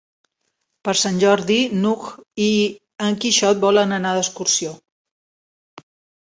Per Sant Jordi n'Hug i en Quixot volen anar d'excursió.